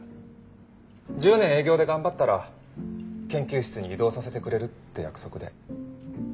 １０年営業で頑張ったら研究室に異動させてくれるって約束で。